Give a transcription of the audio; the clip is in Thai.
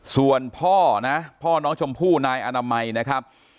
ส่วนพ่อนะพ่อน้องชมพู่นายอนามัยนะครับ